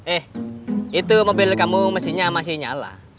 eh itu mobil kamu mestinya masih nyala